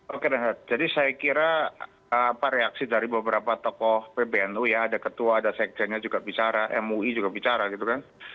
oke rehat jadi saya kira reaksi dari beberapa tokoh pbnu ya ada ketua ada sekjennya juga bicara mui juga bicara gitu kan